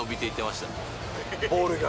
ボールが？